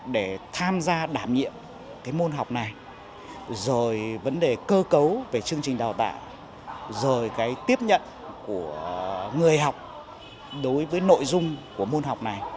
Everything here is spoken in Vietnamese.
để tham gia đảm nhiệm cái môn học này rồi vấn đề cơ cấu về chương trình đào tạo rồi cái tiếp nhận của người học đối với nội dung của môn học này